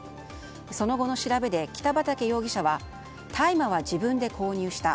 その後の調べで北畠容疑者は大麻は自分で購入した。